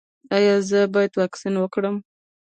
ایا زه باید واکسین وکړم؟